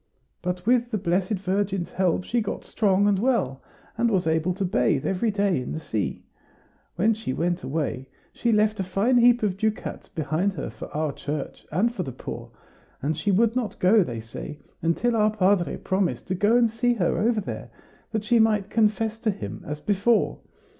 But with the Blessed Virgin's help she got strong and well, and was able to bathe every day in the sea. When she went away, she left a fine heap of ducats behind her for our church, and for the poor; and she would not go, they say, until our padre promised to go and see her over there, that she might confess to him as before.